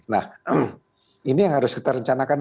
nah ini yang harus kita rencanakan